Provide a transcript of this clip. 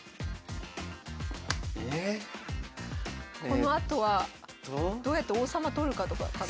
このあとはどうやって王様取るかとかかなあ。